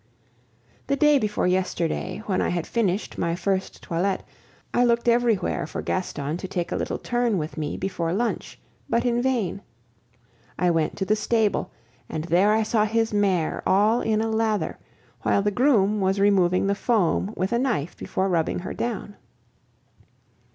The day before yesterday, when I had finished my first toilet, I looked everywhere for Gaston to take a little turn with me before lunch, but in vain. I went to the stable, and there I saw his mare all in a lather, while the groom was removing the foam with a knife before rubbing her down.